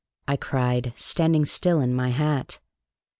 I cried, standing still in my hat.